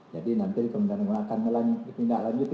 jadi nanti kementerian keuangan akan ditindak lanjuti